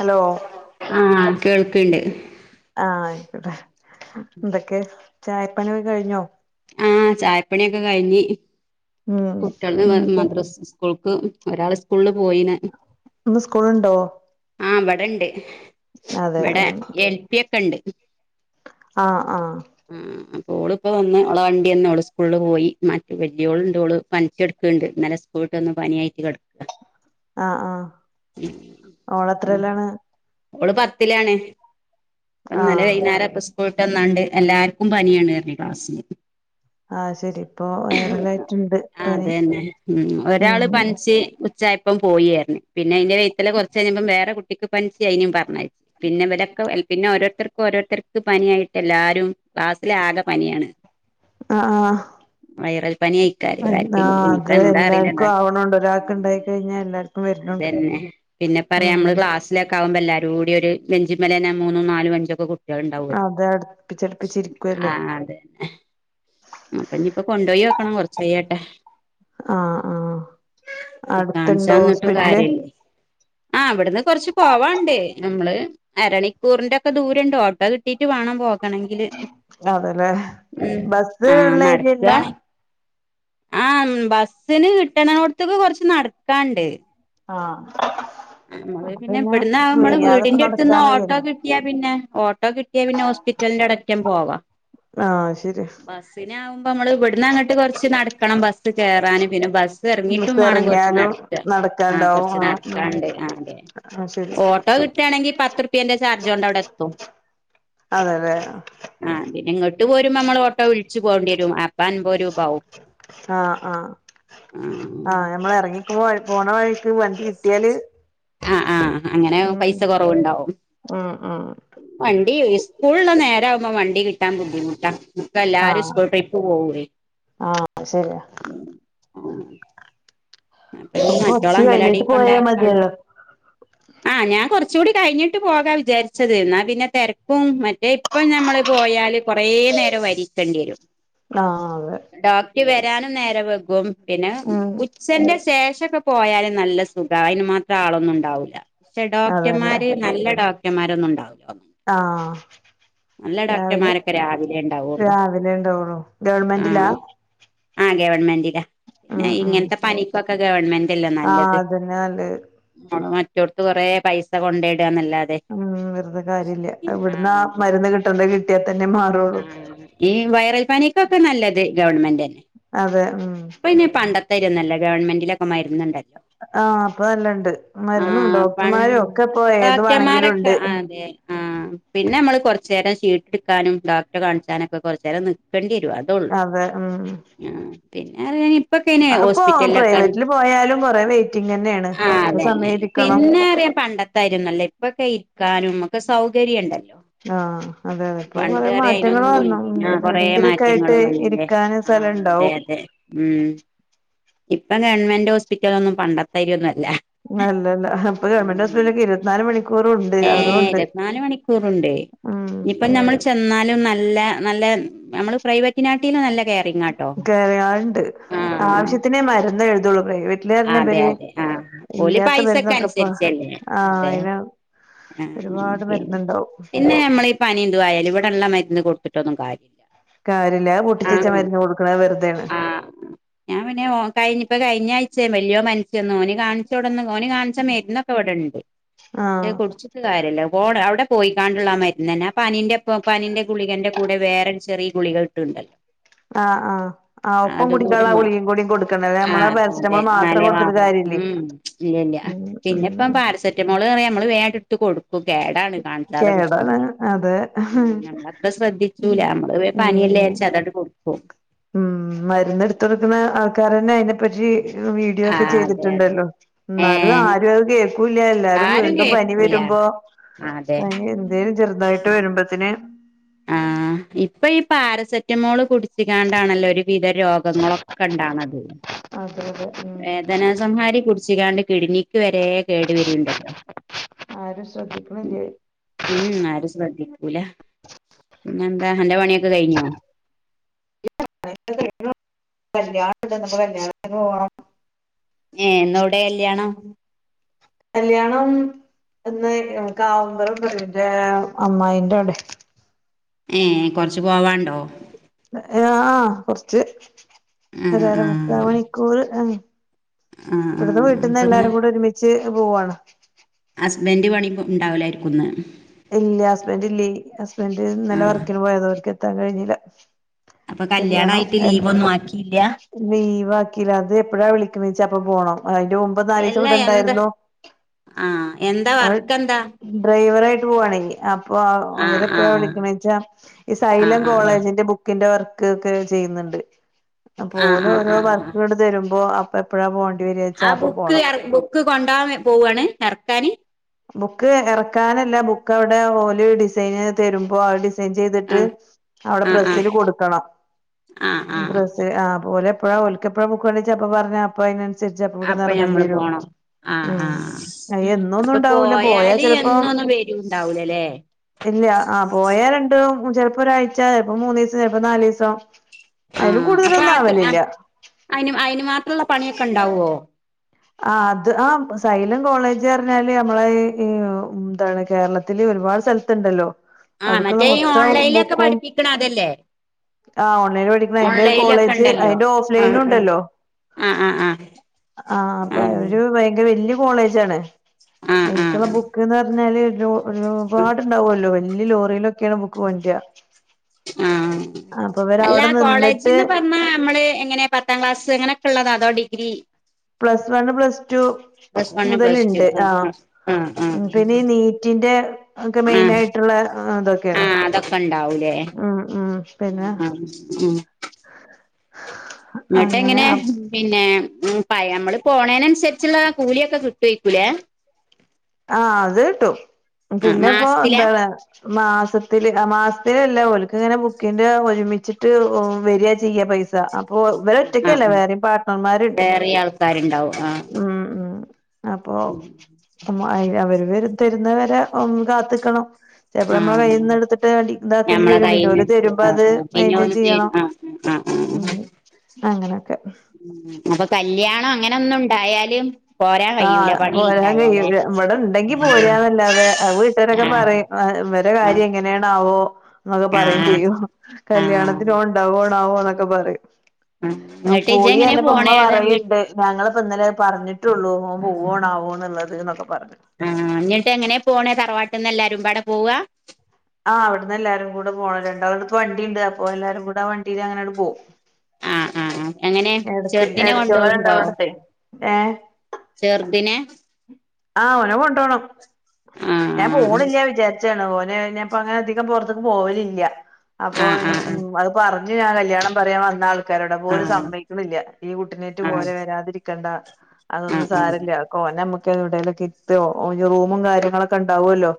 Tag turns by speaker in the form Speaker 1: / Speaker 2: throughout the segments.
Speaker 1: Hello
Speaker 2: ആഹ്കേൾക്കുണ്ട്.
Speaker 1: ആഹ് ആയിക്കോട്ടെ എന്തൊക്കെ ചായപ്പണിയോക്കെ കഴിഞ്ഞോ
Speaker 2: ആഹ് ചായപ്പണിയൊക്കെ കഴിഞ്ഞീ
Speaker 1: ഉം
Speaker 2: കുട്ടിയൾത്
Speaker 1: ഉം
Speaker 2: മദ്രസ് സ്കൂൾക്ക് ഒരാള് സ്കൂൾല് പോയിന്
Speaker 1: ഇന്ന് സ്കൂൾ ഇണ്ടോ?
Speaker 2: ആഹ് ഇവിടെണ്ട്
Speaker 1: അതെ
Speaker 2: ഇവിടെ
Speaker 1: ഉം
Speaker 2: എൽ പി ഒക്കെ ഇണ്ട്.
Speaker 1: ആഹ് ആഹ്
Speaker 2: ഉം ഓള് ഇപ്പ വന്ന് അവള വണ്ടി വന്ന് സ്കൂളിൽ പോയി മാറ്റെ വലിയോള്ണ്ട് പനിച്ചെട്ക്ക്ണ്ട് ഇന്നലെ സ്കൂട്ട് ഒന്ന് പനിയായിണ്ട്കേടാക്ക്
Speaker 1: ആഹ് ആഹ് ഓളത്രില്ലാണ്?
Speaker 2: ഓള് പത്തിലാണ് ഇന്നലെ
Speaker 1: ആഹ്
Speaker 2: വൈന്നേരപ്പ സ് സ്കൂൾട്ടന്നാണ്ട് എല്ലാർക്കും പനിയാണ് റ്ഞ്ഞ് ക്ലാസ്സ്ല്
Speaker 1: ആഹ് ശരി ഇപ്പൊ വൈറലായിട്ട്ണ്ട്
Speaker 2: ആഹ് അതെന്നെ ഉം ഒരാള് പൻച്ച് ഉ ച്ചായപ്പൊ പോയിന്നറഞ്ഞ് പിന്നയ്ന്റെ വൈത്തലെ കൊർചെയ്ഞപ്പം വേറെ കുട്ടിക്ക് പൻച്ച് അയ്നിം പറഞ്ഞയച് പിന്നെവലൊക്കെ പിന്നോരോരുത്തർകോരോരുത്തർക്ക് പനിയായിട്ടെല്ലാരും ക്ലാസിലാകെ പനിയാണ് വൈറൽ പനിയായി
Speaker 1: എന്താ അത് എല്ലാർക്കും ആവ്ണോണ്ട് ഒരാൾക്ക്ണ്ടായി കഴിഞ്ഞാൽ എല്ലാർ
Speaker 2: അതന്നെ പിന്നെപ്പറയാമ്മള് ക്ലാസ് ലെക്കാവുമ്പോ എല്ലാരൂടി ഒര് ബെഞ്ച്മ്മലന്നെ മൂന്നും നാലും അഞ്ചൊക്കെ കു ട്ട്യോള്ണ്ടാവൊയ്
Speaker 1: അത് അടുപ്പിച്ചടുപ്പിച്ചിരിക്കുവല്ലേ
Speaker 2: ആ ആ അതന്നെ അപ്പഞ്ഞ്പ്പൊ കൊണ്ടോയോക്കണം കൊർച്ചെയ്യട്ടെ
Speaker 1: ആഹ് ആഹ് അടുത്തുണ്ടോ
Speaker 2: കാൺചാന്ന്ട്ടും
Speaker 1: ഹോസ്പിറ്റല്
Speaker 2: കാര്യല്ലെയ് ആഹ് വ്ട്ന്ന് കൊർച്ച് പോവാണ്ട് നമ്മള് അരണിക്കൂറിൻ്റൊക്കെ ദൂരണ്ട് ഓട്ടോ കിട്ടീട്ട് വാണം പോകണെങ്കി
Speaker 1: അതെലേ
Speaker 2: ആ
Speaker 1: ബസ്സ്ള്ള ഏരിയല്ല?
Speaker 2: ആഹ് ബസ്സിന് കിട്ടണോട്ത്ത്ക്ക് കൊർച്ച് നടക്കാണ്ട്
Speaker 1: ആഹ്
Speaker 2: നമ്മള്
Speaker 1: അപ്പൊ
Speaker 2: പിന്നെ ഇബട്നാവുമ്മള്
Speaker 1: വെയ്യാതെപ്പ
Speaker 2: വീടിൻ്റെട്ത്ത്ന്ന്
Speaker 1: നടക്കാൻ
Speaker 2: ഓട്ടോ
Speaker 1: വയ്യല്ലോ
Speaker 2: കി ട്ട്യാ പിന്നെ ഓട്ടോ കിട്ട്യാ പിന്നെ ഹോസ്പിറ്റല്ന്റവ്ടെറ്റം പോവാ
Speaker 1: ആഹ് ശരി
Speaker 2: ബസ് പിന്നാമ്പൊമ്മള് ഇവിടന്നങ്ങട്ട് കൊർച്ച് നടക്കണം ബസ്സ് കേറാന് പിന്നെ ബസ്സെറങ്ങീട്ടും മാണം കൊർ
Speaker 1: ന്നാലും നടക്കാണ്ടാവും ആഹ്
Speaker 2: ആണ്ട് ആണ്ട്
Speaker 1: ആഹ് ശരി
Speaker 2: ഓട്ടോ കിട്ടാണെങ്കി പത്തുർ പ്പ്യന്റെ ചാർജോണ്ടവ്ടെത്തും
Speaker 1: അതെല്ലേ
Speaker 2: ആഹ് പിന്നെങ്ങട്ട് പോരുമ്പമ്മള് ഓട്ടോ വിൾച്ച് പോണ്ടിയെരും പ്പൻമ്പരു
Speaker 1: ആ ആ ആ ഞമ്മളെറങ്ങി പോണ വഴി ക്ക് വണ്ടി കിട്ട്യാല്
Speaker 2: ആഹ് ആഹ് അങ്ങനാവുമ്പൊ പൈസ കൊറവ്ണ്ടാവും
Speaker 1: ഉം ഉം
Speaker 2: വണ്ടി ഇസ്കൂളുള്ള നേരാവുമ്പോ വണ്ടി കിട്ടാൻ ബുദ്ധിമുട്ടാ
Speaker 1: ആ
Speaker 2: എല്ലാരും സ്കൂൾ ട്രിപ്പ് പോവേ
Speaker 1: ആ ശരിയാ
Speaker 2: ഈ
Speaker 1: അപ്പൊ
Speaker 2: മറ്റോളെ
Speaker 1: കൊർച്ച്
Speaker 2: അങ്കലാടി
Speaker 1: കഴിഞ്ഞ്ട്ട് പോയാ
Speaker 2: കൊണ്ടാക്കാണ്ട്
Speaker 1: മതിയല്ലോ?
Speaker 2: ആഹ് ഞാൻ കൊറച്ചുടി കഴിഞ്ഞിട്ട് പോകാ വിചാര്ച്ചത് എന്നാ പിന്നെ തെരക്കും മറ്റേ ഇപ്പം നമ്മള് പോയാല് കൊറേ നേരം വരിക്കെണ്ടി വരും
Speaker 1: ആഹ് അതെ
Speaker 2: ഡോക്ട് വരാനും നേരം വെകും പിന്നെ ഉച്ചന്റെ ശേഷൊക്കെ പോയാല് നല്ല സുഖാ അയ്ന് മാത്രാളൊന്നുണ്ടാവൂല ക്ഷെ
Speaker 1: അതന്നെ
Speaker 2: ഡോക്ടമ്മാര് നല്ല ഡോക്ടമ്മാരൊന്നൂണ്ടാവൂലന്ന് ണ്
Speaker 1: ആഹ് രാവിലെ
Speaker 2: ഡോക്ടർമാരൊക്കെ രാവിലെ ഉണ്ടാവുള്ളു
Speaker 1: രാവിലേണ്ടാവൊള്ളു ഗവൺമെന്റിലാ
Speaker 2: ആ ഗവൺമെൻ്റിലാ ഞാ
Speaker 1: ഉം ഉം
Speaker 2: ഇങ്ങൻത്തെ പനി ക്കൊക്കെ ഗവൺമെന്റല്ലെ
Speaker 1: ആഹ്
Speaker 2: നല്ലത്
Speaker 1: അതന്നെ നല്ലത്
Speaker 2: അവ്ടെ മറ്റോട്ത്ത് കൊറേ പൈ സ കൊണ്ടേടാന്നല്ലാതെ
Speaker 1: ഉം വെർതെ കാര്യല്ല്യ അത് ഇവിടുന്നാ
Speaker 2: ആഹ് അതെ
Speaker 1: മരന്ന് കിട്ടണ്ടത് കിട്ട്യാതന്നെ മാറൊള്ളു
Speaker 2: ആഹ് ഈ വയറൽ പനിക്കൊക്കെ നല്ലത് ഗവൺമെന്റന്നെ
Speaker 1: അതെ ഉം
Speaker 2: ഇപ്പയ്ന് പണ്ടെത്താര്യൊന്നല്ല ഗവൺമെൻ്റിലൊക്കെ മരന്ന്ണ്ട്
Speaker 1: ആഹ് ഇപ്പൊ എല്ലണ്ട് മര്ന്നും
Speaker 2: ആഹ് പൺ
Speaker 1: ഡോക്ടർമാരും ഒക്കെപ്പൊ ഏത് വാണെങ്കിലുണ്ട് ഉം
Speaker 2: ആ, പിന്നമ്മള് കൊറച്ചേരം ചീട്ട്ട്ക്കാനും ഡോക്ട്ടെ കാണിച്ചാനൊക്കെ കൊറച്ചേരം നിക്കണ്ടിയരും അവ് തൊള്ളു
Speaker 1: അതെ ഉം
Speaker 2: ആഹ് പിന്നെ അത്കഴിഞ്ഞ് ഇപ്പൊക്കയ്ന്
Speaker 1: അതിപ്പോ
Speaker 2: ഹോസ്പിറ്റലിലൊക്കെ..
Speaker 1: പ്രൈവറ്റില് പോയാലും കൊറേ വെയിറ്റിംഗ് തന്നെയാണ്
Speaker 2: ആ
Speaker 1: എത്ര
Speaker 2: അതന്നെ
Speaker 1: സമയം ഇരിക്കണം
Speaker 2: പിന്നേറയാൻ പണ്ട ത്തായിരുന്നല്ലേ. ഇപ്പൊക്കെ ഇരിക്കാനും ഒക്കെ സൗകര്യണ്ടല്ലോ.
Speaker 1: ആ, അതെയതെ പ്പൊ [unintelligible] റെ
Speaker 2: പണ്ട് അറിയ
Speaker 1: മാറ്റങ്ങള് വന്നു
Speaker 2: അയിനൊന്നുല്ല ആഹ് കൊറേ മാറ്റങ്ങള്
Speaker 1: എവിടെങ്കിലൊക്കായിട്ട്
Speaker 2: വന്നില്ലേ
Speaker 1: ഇരിക്കാനും
Speaker 2: ആഹ് അതെ
Speaker 1: സ്ഥലണ്ടാവും
Speaker 2: അതെ ഉം. ഇപ്പം ഗവൺമെന്റോസ്പിറ്റലൊന്നും പണ്ടത്തയിരൊന്നല്ല.
Speaker 1: അല്ലല്ല. [unintelligible] അപ്പൊ ഗവൺമെന്റ് ഹോസ്പിറ്റലൊക്കെ ഇരുപത്തി നാല് മണി
Speaker 2: ഏ, ഇര്പത്ത്നാല് മണിക്കൂറുണ്ട്.
Speaker 1: ഉം
Speaker 2: ഇപ്പം നമ്മൾ ചെന്നാലും നല്ല നല്ല നമ്മള് പ്രൈവറ്റിനാട്ടീലും നല്ല കെയ്
Speaker 1: തെരാൻണ്ട്. ആവശ്യത്തിനേ മരുന്നെഴുതുള്ളൂ പ്രൈവെ
Speaker 2: അതെ അതെ. ആ, ഓല്
Speaker 1: മരുന്നൊക്കെപ്പ
Speaker 2: പൈസക്കൻസരിച്ചല്ലേ.
Speaker 1: ആഹ്
Speaker 2: അതെ.
Speaker 1: അയിന്
Speaker 2: ഏ, ഉം.
Speaker 1: ഒരുപാട്
Speaker 2: പിന്നെ
Speaker 1: മരുന്നുണ്ടാവും
Speaker 2: പിന്നേ നമ്മളീ പനിംതും ആയാലും ഇവ്ടള്ള മരുന്ന് കൊട്ത്ത്ട്ടൊന്നും കാര്യല്ല.
Speaker 1: കാര്യല്ല അത് പൊട്ടിച്ചെച്ച
Speaker 2: ആഹ്
Speaker 1: മര്ന്ന് കൊട്ക്ക്ണത് വെറുതെയാണ്
Speaker 2: ഞാന് പിന്നെ ഓൻ കയിഞ്ഞ ഇപ്പ കഴിഞ്ഞാഴ്ച്ചേ വല്യോൻ പനിച്ചീന്നു ഓന് കാണ് ച്ചോട്ന്ന് ഓന് കാണിച്ച മെര്ന്നൊക്ക് ഇവ്ടണ്ട്
Speaker 1: ആഹ്
Speaker 2: പക്ഷെ കുടിച്ച് കാര്യല്ല പോണ് അവടെ പോയിക്കാണ്ട്ള്ള ആ മര്ന്നെന്നെ ആ പനിന്റെപ്പൊ പനിന്റെ ഗുളികന്റെ കൂടെ വേറരു ചെറീ ഗുളിക ക്‌ട്ട്ണ്ടല്ലോ
Speaker 1: ആ. ആ ആ. ഒപ്പം
Speaker 2: കൂടി
Speaker 1: കുടിക്കാൻള്ള ആ
Speaker 2: മാ
Speaker 1: ഗുളികിം കൂടി കൊട്ക്കണല്ലേ. അമ്മളെ പാരസറ്റമോള് മാ
Speaker 2: അല്ലേ വാങ്ങും ഉം ഇല്ലില്ല
Speaker 1: ഉം
Speaker 2: പിന്നിപ്പം
Speaker 1: ഉം
Speaker 2: പാരസെറ്റമോള്റ്യയാ നമ്മള് വേഗാണ്ട്ട് ട്ട് കൊടുക്കും. കേടാണ് കാണിക്കാതെ
Speaker 1: കേടാണ്
Speaker 2: കുടിച്ച്ണത്.
Speaker 1: അതെ
Speaker 2: ഉം. നങ്ങത്ത്
Speaker 1: ഉം
Speaker 2: ശ്രദ്ധിച്ചൂല. മ്മള്
Speaker 1: ഉം
Speaker 2: പനിയെല്ലേവെച്ച് അതണ്ട് കൊടുക്കും.
Speaker 1: ഉം. മര്ന്ന്ട്ത്തൊട്ക്ക്ണ ആൾക്കാരന്നെ അയിനെപ്പറ്റി വീഡിയോ ഒക്കെ
Speaker 2: ആഹ് അതെ അതെ
Speaker 1: ചെയ്ത്ട്ട്ണ്ടല്ലോ ന്നാലും
Speaker 2: ഏഹ്
Speaker 1: ആരും അത് കേക്കൂല്ല. എല്ലാരും
Speaker 2: ആരും
Speaker 1: വീണ്ടും
Speaker 2: കേക്കൂല
Speaker 1: പനിവരുമ്പോ
Speaker 2: അതെ
Speaker 1: പനി എന്തേലും ചെറ്തായിട്ട് വരുമ്പത്തിന്
Speaker 2: ആ, ഇപ്പൊ ഈ പാരസെറ്റമോള് കുടിച്ച് ക്കാണ്ടാണല്ലോ ഒര് വിധ രോഗങ്ങളൊക്കണ്ടാണത്.
Speaker 1: അതെ അതെ ഉം
Speaker 2: വേദനസംഹാരി കുടിച്ച്കാണ്ട് കിഡ്നിക്ക് വരെ കേട് വര്ണ്ടല്ലോ
Speaker 1: ആരും ശ്രദ്ധിക്കണില്ലേ
Speaker 2: ഉം ആരും ശ്രദ്ധിക്കൂല പിന്നെന്താ? അന്റെ പണിയൊക്കെ കയിഞ്ഞോ?
Speaker 1: [unintelligible] കല്ല്യാണണ്ട്. അപ്പ കല്യാണത്തിന് പോണം
Speaker 2: ഏഹ് ഇന്നൊവ്ടെ കല്ല്യാണം
Speaker 1: കല്യാണം എന്ന് ആ കാവ [unintelligible] ന്റെ അമ്മായിന്റവ്ടെ
Speaker 2: ഏഹ് കൊറച്ച് പോവാണ്ടോ
Speaker 1: ഏഹ് ആഹ് കൊറച്ച്
Speaker 2: ആ
Speaker 1: ഒര്
Speaker 2: ആ
Speaker 1: അരമുക്കാമണിക്കൂറ് ആഹ്
Speaker 2: ആ ആ
Speaker 1: ഇവ്ടുന്ന്
Speaker 2: അപ്പൊന്ന്
Speaker 1: വീട്ടിന്നെല്ലാരും കൂടെ ഒരുമിച്ച് പോവാണ്
Speaker 2: ഹസ്ബന്റ് പണിപ്പ ഇണ്ടാവില്ലായിരിക്കുന്ന്
Speaker 1: ഇല്ല. ഹസ്ബന്റില്ലേ. ഹസ്ബന്റ്
Speaker 2: ആ
Speaker 1: ന്നലെ വർക്ക്ന് പോയതാ. അവർക്കെത്താൻ കഴിഞ്ഞില്ല.
Speaker 2: അപ്പൊ കല്യാണായിട്ട് ലീവൊന്നു ആക്കീല
Speaker 1: ലീവാക്കീല. അത് എപ്പഴാ വിളിക്കുന്നെച്ചാ അപ്പ പോണം. അയിന്റെ മു പ്പം നാലീസം
Speaker 2: എല്ലാ എന്താ
Speaker 1: ഇവ്ടണ്ടായിരുന്നു.
Speaker 2: ആ എന്താ
Speaker 1: അത്
Speaker 2: വർക്ക് എന്താ
Speaker 1: ഡ്രൈവറായി പ്‌വാണെങ്കി. അപ്പൊ അവ
Speaker 2: ആ ആ
Speaker 1: അവരെപ്പൊഴാ വിളിക്ക്ണ്വെച്ചാ ഈ
Speaker 2: ആ ആ
Speaker 1: സൈലം
Speaker 2: ആ
Speaker 1: കോളേജ് ന്റെ ബുക്കിന്റെ വർക്ക്ക്കെ ചെയ്യ്ന്ന്ണ്ട്.
Speaker 2: ആ ആ
Speaker 1: അപ്പോലോരോ
Speaker 2: ആ
Speaker 1: വർക്ക്ട് തരുമ്പോ അപ്പെപ്പഴാ പോകണ്ടിവര്അച്ചാ അപ്പ പോണം.
Speaker 2: ക്ക് കൊണ്ടാവാൻ പോവാണ് എറക്കാന്
Speaker 1: ബുക്ക് എറക്കാനല്ല ബുക്ക് അവടെ ഓല് ഡിസൈന് തരുമ്പോ ആ ഡി സൈൻ
Speaker 2: ആ
Speaker 1: ചെയ്തിട്ട് അവിടെ
Speaker 2: ആ
Speaker 1: പ്രസില് കൊട്ക്കണം.
Speaker 2: ആ ആ ആ
Speaker 1: ഉം. പ്രസ് ഏ ആ അപ്പൊ ഓലെപ്പഴാ ഓൽക്കെപ്പഴാ ബുക്കേണ്ടതെച്ചാ അപ്പ പറഞ്ഞ അപ്പ അയിനൻ ചിരിച്ചപ്പ
Speaker 2: അപ്പൊ ഞമ്മള്
Speaker 1: വ്ടന്നെറങ്ങണ്ടിയരും.
Speaker 2: പോണം ആ
Speaker 1: ഏ,
Speaker 2: ആ
Speaker 1: അയ് എന്നൊന്നും
Speaker 2: അപ്പൊ
Speaker 1: ഉണ്ടാവൂല പോയാ
Speaker 2: പോയാല്
Speaker 1: ചെലപ്പം
Speaker 2: എന്നൊന്നും വെരുണ്ടാവൂലല്ലേ
Speaker 1: ഇല്ല ആ പോയാ രണ്ട ചെലപ്പോ ഒരാഴ്ച ചിലപ്പോ മൂന്നു ദിവസം ചിലപ്പോ നാല് ദിവസം
Speaker 2: ആഹ അപ്പൊ അ അയ്ന് അയ്ന് മാത്രമുള്ള പണിയൊക്കെ ഉണ്ടാവോ
Speaker 1: ആ അത് ആ സൈലം കോളേജ് അർഞ്ഞാല് നമ്മളെ ഈ ന്താണ് കേരളത്തിൽ ഒരുപാട് സ്ഥല ത്ത്ണ്ടല്ലോ
Speaker 2: ആഹ്
Speaker 1: അവ്ട്ക്ക്ള്ള
Speaker 2: മറ്റേ ഈ
Speaker 1: മൊത്തം
Speaker 2: ഓൺലൈനിലൊക്കെ
Speaker 1: ബുക്കും
Speaker 2: പഠിപ്പിക്കണ അതല്ലേ
Speaker 1: ആഹ് ഓൺലൈന് പഠിക്ക്ണ അയ്ന്റെ
Speaker 2: ഓൺലൈനിലൊക്കെ
Speaker 1: കോളേജ് അതിന്റെ ഓഫ് ലൈനും ണ്ടല്ലോ
Speaker 2: ആ ആ ആ
Speaker 1: ആഹ് അപ്പൊ ഒരു ഭയങ്കര വല്യ കോളേജാണ്
Speaker 2: ആഹ് ആഹ്
Speaker 1: അയ്ൽക്ക് ള്ള
Speaker 2: ആഹ്
Speaker 1: ബുക്ക്ന്ന് പറഞ്ഞാല് ഒരു ഒരുപാട്ണ്ടാവുല്ലോ വലിയ ലോറിയിലൊക്കെയാണ് ബുക്ക് കോണ്ട്ര
Speaker 2: ആഹ് അല്ല
Speaker 1: നിന്നിട്ട്
Speaker 2: കോളേജ്ന്ന് പറഞ്ഞാ നമ്മള് എങ്ങനെ പത്താം ക്ലാസ്സ് ങ്ങനഒക്കെ ഇള്ളതാ അതൊ degree
Speaker 1: plus one plus two
Speaker 2: plus one plus two
Speaker 1: മുതൽണ്ട് ആഹ്
Speaker 2: ആഹ്
Speaker 1: മ് പിന്നെ ഈ
Speaker 2: ആഹ്
Speaker 1: നീറ്റിന്റെ ഒക്കെ മെയിൻ
Speaker 2: ആഹ്
Speaker 1: ആയ്ട്ട്ള്ള ഇതൊക്കേണ്
Speaker 2: ആഹ് അതൊക്കെ ഉണ്ടാവൂലേ
Speaker 1: അഹ് ആഹ് പിന്നെ
Speaker 2: ന്നട്ട്
Speaker 1: അങ്ങനെ
Speaker 2: എങ്ങനെ പിന്നെ ഉം പ നമ്മള് പോണേനൻസരിച്ച്ള്ള ആ കൂലിയൊക്കെ കിട്ടേര്ക്കുലേ
Speaker 1: ആഹ് അത് കിട്ടും
Speaker 2: ആ
Speaker 1: പിന്നെപ്പോ
Speaker 2: മാസത്തിലാ
Speaker 1: എന്താണ് മാസത്തില് മാസത്തിലല്ല ഓൽക്ക് ങ്ങനെ ബുക്കിന്റെ ഒരുമിച്ചിട്ട് വരിയാ ചെയ്യ പൈസ അപ്പൊ ഇവര്
Speaker 2: ആ
Speaker 1: ഒറ്റക്കല്ല വേറിം പാട്ണർമാര്ണ്ട്
Speaker 2: ക്കാര് ഇണ്ടാവും ആഹ്
Speaker 1: മ് മ് അപ്പൊ നമ്മ അവര് വരു തരുന്നവരെ മ് കാത്ത്ക്കണം ചലപ്പോ
Speaker 2: ആ
Speaker 1: നമ്മള കയ്യിന്ന് ട്ത്ത്‌ട്ട്‌ അണ്ടി ന്താക്കണ്ടി
Speaker 2: ഞമ്മളെ
Speaker 1: വരും
Speaker 2: കയ്യിന്ന്
Speaker 1: പിന്നോര് തരുമ്പോ അത് മെയ്ന്റയിൻ ചെയ്യണം
Speaker 2: ആഹ് ആഹ്
Speaker 1: അങ്ങനെഒക്കെ
Speaker 2: ഉം അപ്പൊ കല്ല്യാണം അങ്ങനെ ഒന്നും ഉണ്ടായാല്
Speaker 1: ആഹ് പോരാൻ കഴിയുലഇവടെ ഇണ്ടെങ്കി പോരന്നല്ലാതെ അത്
Speaker 2: ആ
Speaker 1: വീട്ടരൊക്കെ പറിം ആ ഇവര കാര്യം ഇ ങ്ങന ണാവോ എന്നൊക്കെ
Speaker 2: ആ
Speaker 1: പറിം
Speaker 2: ആ
Speaker 1: ചെയ്യും
Speaker 2: ആ
Speaker 1: കല്യാണത്തിൻ ഓന് ണ്ടാവോണാവോ എന്നൊക്കെ പറിം ഓൻ
Speaker 2: ഇങ്ങട്ട് ഇജ്ജ്
Speaker 1: പോയി
Speaker 2: എങ്ങനെ
Speaker 1: പറഞ്ഞപ്പോ ഉമ്മ
Speaker 2: പോണേ അതാ വീ
Speaker 1: പറയുണ്ട് ഞങ്ങൾപ്പ ഇന്നലേ പറഞ്ട്ടൊള്ളൂ ഓ പോവ്വാണാവോ ന്ന്ള്ളത് ന്ന് ഒക്കെ പറഞ്ഞ്
Speaker 2: ആഹ് ന്നിട്ട് എങ്ങനെ പോണേ തറവാട്ട്ന്ന് എല്ലാരും പാടെ പോവ്വ
Speaker 1: ആഹ അവിടെന്ന് എല്ലാരും കൂടെ പോണം രണ്ടാള അടുത്ത് വണ്ടി ഉണ്ട് അപ്പോ എല്ലാരും കൂടെ ആ വണ്ടിയിൽ അങ്ങനെട് പോകവും
Speaker 2: ആഹ് ആ ആ എങ്ങനെ ചെർദിനേ
Speaker 1: ഏടത്തിയോളെ
Speaker 2: കൊണ്ടോവ് ണ്ടോ
Speaker 1: രണ്ടാളടുത്തെ ഏഹ്
Speaker 2: ചെർദിനെ
Speaker 1: ആഹ് ഓനെ കൊണ്ടു പോണം
Speaker 2: ആ
Speaker 1: ഞാൻ പോണില്ല വിചാരിച്ചാണ് ഓന പ്പ അങ്ങനെ അതികം പൊറത്ത്ക്ക് പോവലില്ല
Speaker 2: ആ
Speaker 1: അപ്പൊ
Speaker 2: ആ
Speaker 1: മ് അത് പറഞ്ഞു ഞാൻ കല്യാണം പറയാൻ വന്നാൾ
Speaker 2: ആ
Speaker 1: കെരണ്ടപോലും
Speaker 2: ആ
Speaker 1: സമ്മയ്ക്ക്ണില്ല ഇയ്യ് കുട്ടിനേറ്റ്
Speaker 2: ആഹ്
Speaker 1: പോരേ വരാതിരിക്കണ്ട അതൊന്നും
Speaker 2: ആഹ്
Speaker 1: സാരല്ല ഓനെ നമ്മുക്ക് എവിടേലും കിട്ടോ ഓൻ റൂമും കാര്യങ്ങളൊക്കെ ഉണ്ടാവുമല്ലോ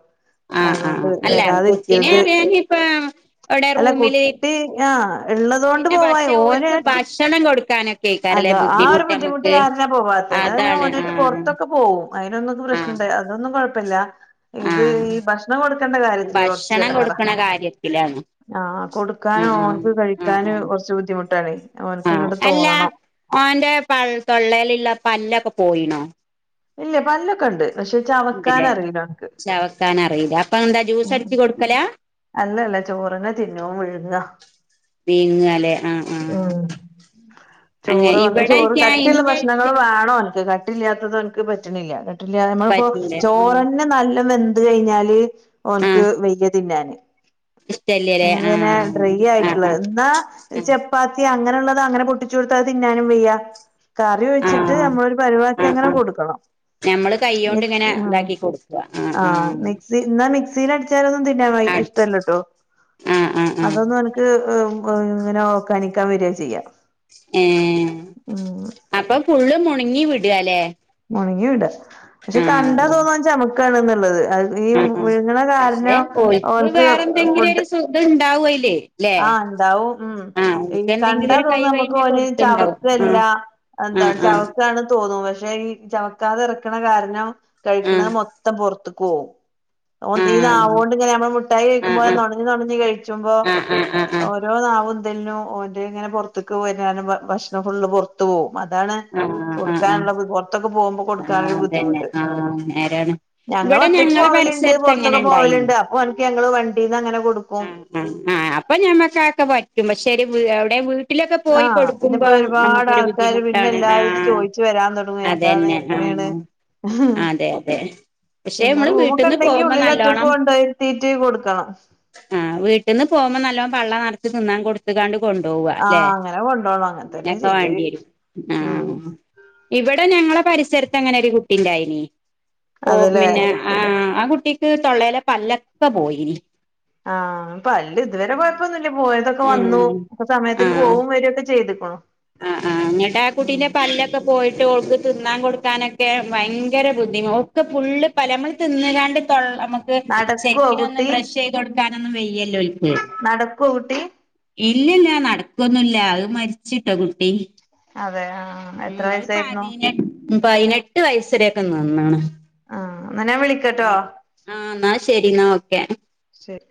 Speaker 2: ആഹ് ആഹ് അല്ല കുട്ടിനെ അറിയാന ഇപ്പ അവിടെ
Speaker 1: അല്ല
Speaker 2: റൂമില്
Speaker 1: കുട്ടി ആഹ് ഇള്ളതോണ്ട്
Speaker 2: പിന്നെ പക്ഷെ ഓല്ക്ക് ഭക്ഷണം കൊടുക്കാനൊക്കെ ആയിക്കാരല്ലേ
Speaker 1: അതൊ ആ ഒരു ബുദ്ധിമുട്ട്
Speaker 2: നമുക്ക്
Speaker 1: കാരണാപോവാത്ത് എല്ലാതെ ഞാൻ
Speaker 2: അതാണ്
Speaker 1: ഒന്നേറ്റ്
Speaker 2: ആഹ്
Speaker 1: പൊറത്തൊക്കെ പോവും അയ്നൊന്നും ക്ക് പ്രശ്ന
Speaker 2: ആഹ്
Speaker 1: അതൊന്നും കുഴപ്പില്ല ഇത്
Speaker 2: ആഹ്
Speaker 1: ഈ ഭക്ഷണം കൊടുക്കേണ്ട കാര്യതില് കൊറച്ച
Speaker 2: ഭക്ഷണം
Speaker 1: എടങ്ങേറാ
Speaker 2: കൊടുക്കണ കാര്യത്തിലാണ്
Speaker 1: ആഹ കൊടുക്കാനും
Speaker 2: ആഹ്
Speaker 1: ഓൻക്ക്
Speaker 2: ആഹ് ആഹ്
Speaker 1: കഴിക്കാനും
Speaker 2: ആഹ്
Speaker 1: കുറച്ച് ബുദ്ധിമുട്ടണെ ഓൻക്ക്
Speaker 2: ആഹ്
Speaker 1: ങ്ങോട്ട്
Speaker 2: അല്ല
Speaker 1: തോന്നണം
Speaker 2: ഓന്റെ പ്പ തൊള്ളേൽള്ള പല്ലൊക്കെ പോയിണോ
Speaker 1: ഇല്ല പല്ലൊക്കെ ഉണ്ട് പക്ഷെ ചവക്കാന റിയില്ല ഒന് ക്ക്
Speaker 2: കാനറില്ല അപ്പ ന്താ ജ്യൂസ് അടിച്ച് കൊടുക്കലാ
Speaker 1: അല്ലല്ല ചോറിനെ തിന്നവും വിഴുങ്ങ
Speaker 2: ങ്ങാലേ ആഹ ആഹ്
Speaker 1: ഉം
Speaker 2: അങ്ങനെ
Speaker 1: ചോറ് ഓന്ക് ചോറ്
Speaker 2: ഇവിടെയൊക്കെ
Speaker 1: കട്ടിള്ള ഭക്ഷണങ്ങൾ
Speaker 2: ഇന്റെ
Speaker 1: വേണോഓന്ക്ക് കിട്ടില്ലാത്തത് ഓന്ക് പറ്റ്ണില്ല കട്ടില്ല നമ്മള്പ്പോ
Speaker 2: പറ്റൂല ആ
Speaker 1: ചോറന്നെ നല്ല വെന്ത് കഴിഞ്ഞാല്
Speaker 2: ആ
Speaker 1: ഓന്ക്ക് വെയ്യ തിന്നാന്
Speaker 2: ഇഷ്ടല്ലല്ലേ ആ
Speaker 1: എങ്ങനെ ഡ്രൈ
Speaker 2: ആ ആ
Speaker 1: ആയ്ട്ടള്ളത് എന്നാ പ്പാത്തി അങ്ങനള്ളത് അങ്ങനെ പൊട്ടിച്ചടുത്തത് തിന്നാനും വെയ്യ കറി
Speaker 2: ആ
Speaker 1: വെച്ചിട്ട് നമ്മളൊരു പരുവാക്കി അങ്ങനെ കൊടുക്കണം
Speaker 2: നമ്മള്
Speaker 1: മിക്സ്
Speaker 2: കൈണ്ട്ങ്ങനെ
Speaker 1: ആഹ്
Speaker 2: ഇതാക്കി കൊട്ക്ക അഹ് ആഹ്
Speaker 1: എന്നാ മിക്സിൽ അടിച്ചാലൊന്നും തിനാൻ ഇഷ്ടല്ലാട്ടോ
Speaker 2: ആ ആ ആ ആ
Speaker 1: അതൊന്ന് ഉം ഉം ഒക്കാനിക്കാൻ വര ചെയ്യ
Speaker 2: ഏഹ് അപ്പൊ ഫുള്ള് മുണങ്ങി വിടാലെ
Speaker 1: മുണ്ങ്ങി വിടാ പക്ഷെ കണ്ടാ തോന്നും ഓൻ ചമക്കാണ് ന്ന്ള്ളത് അത് ഈ
Speaker 2: ആ ആ
Speaker 1: വിഴുങ്‌ണ കാരണം ഓന്ക് ഫുഡ്
Speaker 2: ഇണ്ടാവും അയ്ല്ലേയ്
Speaker 1: ആഹ് ഇണ്ടാവും ഉം ഈ
Speaker 2: എന്തെങ്കിലും
Speaker 1: കണ്ടാ
Speaker 2: ഒരു കൈ
Speaker 1: തോന്നുന്നും നമ്മുക്ക്
Speaker 2: വൈമ
Speaker 1: ഓന്
Speaker 2: കൊടുത്തുണ്ടാവും
Speaker 1: ചവക്കല്ല
Speaker 2: ആ
Speaker 1: എന്താണ്
Speaker 2: ആ ആ
Speaker 1: ചവക്കാണ് തോന്നും പക്ഷെ ഈ ചവക്കാതെ ഇറക്കണ കാരണം കഴിക്കണത് മൊത്തം പൊർത്ത്ക്ക് ഓവും ഓൻ
Speaker 2: ആ
Speaker 1: ഇനാവോണ്ട് ഇങ്ങനെ നമ്മൾ മുട്ടായി
Speaker 2: ആ
Speaker 1: കഴിക്കുമ്പോലെ
Speaker 2: ആ
Speaker 1: നൊണന്ന് നൊണന്ന് കഴിച്ചുമ്പോ
Speaker 2: ആ ആ ആ ആ ആ
Speaker 1: രോ നാവുന്തലിനും ഓന്റെ ഇങ്ങനെ പോർത്ക്ക് വര ഭക്ഷണം ഫുള് പുറ പുറത്തു പോകും അതാണ്
Speaker 2: ആ ആ ആ
Speaker 1: കൊടുക്കാനുള്ള പൊറുത്തൊക്കെ പോകുമ്പോ
Speaker 2: ആഹ്
Speaker 1: കൊടുക്കാനരു
Speaker 2: അതന്നെ
Speaker 1: ബുദ്ധിമുട്ട്
Speaker 2: ആഹ് നേരാണ്
Speaker 1: ഞങ്ങൾ
Speaker 2: ഇവിടെ
Speaker 1: ഒറ്റക്ക്
Speaker 2: ഞങ്ങളെ
Speaker 1: പോവല്ണ്ട്
Speaker 2: പരിസരത്ത് അങ്ങനെ
Speaker 1: പോർതക്കെ
Speaker 2: ഇണ്ടായിനി
Speaker 1: പോവല്ണ്ട് അപ്പൊ ഓൻക്ക് ഞങ്ങള് വണ്ടീന്ന് അങ്ങനെ കൊടുക്കും
Speaker 2: അഹ് ആഹ് അപ്പൊ ഞമ്മക്കക്കെ പറ്റും പക്ഷേ ഒരു വീട് വിട്ടിലൊക്കെ പോയി
Speaker 1: ആഹ് പിന്നെ ഇപ്പോ
Speaker 2: കൊടുക്കുമ്പോ
Speaker 1: ഒരുപാട്
Speaker 2: നമ്മോക്കൊരു
Speaker 1: ആൾക്കാര്
Speaker 2: ബുദ്ധിമുട്ട്
Speaker 1: പിന്നെ
Speaker 2: [unintelligible]
Speaker 1: എല്ലാരും ഇത്
Speaker 2: ആഹ്
Speaker 1: ചോദിച്ചു വരാൻ തുടങ്ങും എന്താണ്
Speaker 2: അതന്നെ അഹ്
Speaker 1: എങ്ങനെയാണ്
Speaker 2: അതെ അതെ പക്ഷെ
Speaker 1: പിന്നെ
Speaker 2: നമ്മള്
Speaker 1: റൂമൊക്കെ
Speaker 2: വീട്ടിന്ന്
Speaker 1: ഉണ്ടങ്കിൽ
Speaker 2: പോകുമ്പോ
Speaker 1: ഉള്ളിൽ ഒറ്റക്ക്
Speaker 2: നല്ലോണം
Speaker 1: കൊണ്ടയ്ര്ത്തീറ്റ് കൊടുക്കണം
Speaker 2: ആഹ് വീട്ട്ന്ന് പോകുമ്പോ നല്ലോ പള്ള നറച് തിന്നാൻ കൊട് ട്ത്ങ്ങാട് കൊണ്ടവ ലേ
Speaker 1: ആഹ് അങ്ങനെ കൊണ്ടോണം അങ്ങനെ തന്നെ
Speaker 2: അങ്ങനെക്കെ
Speaker 1: ചെയ്യല്
Speaker 2: വാണ്ടിയെരും
Speaker 1: ഉം
Speaker 2: ആഹ് ഇവടെ ഞങ്ങളെ പരിസരത്ത് അങ്ങനെ ഒരു കുട്ടിണ്ടായിന് ഓ
Speaker 1: അതല്ലേ
Speaker 2: പിന്നെ ആഹ് അ കുട്ടിക്ക് തൊള്ളലെ പല്ലൊക്കെ പോയിന്
Speaker 1: ആഹ് പല്ല് ഇതുവരെ കൊയപ്പോന്നുല്ല പോയതൊക്കെ വന്നു
Speaker 2: ഉം
Speaker 1: അപ്പൊ സമയത്തിന് പോവും വരൊക്കെ ചെയ്ത്കുണോ
Speaker 2: അഹ് ആഹ് എന്നട്ട കുട്ടിന്റെ പല്ലൊക്കെ പോയിട്ട് ഓൾക്ക് തിന്നാൻ കൊടുക്കാനെക്കെ ഭയങ്കര ബുദ്ധിമു ഫുള്ള് പല നമ്മൾ തിന്ന്ങ്ങാണ്ട് തൊള്ളമക്ക്
Speaker 1: നടക്കുവോ
Speaker 2: ശെരിക്കിനൊന്ന് ബ്രഷ് ചെയ ടുത്തോട്ക്കാനൊന്നും വയ്യലോൽക്
Speaker 1: നടക്കൊ കുട്ടി
Speaker 2: ഇല്ലല നടക്കൊന്നുല്ല അത് മരിച്ചിട്ടോ കുട്ടി
Speaker 1: അതെ ആഹ് എത്ര
Speaker 2: ഉം അത്
Speaker 1: വയസായിരുന്നു
Speaker 2: പതിനെ പയ്നെട്ട് വയസ്സരൊക്കെ നിന്ന്ണ്
Speaker 1: ആഹ് എന്ന ഞാൻ വിളിക്കട്ടോ
Speaker 2: ആഹ് എന്നാ ശരി എന്ന ഓക്കെ
Speaker 1: ശരി